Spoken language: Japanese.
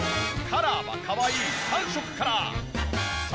カラーはかわいい３色から。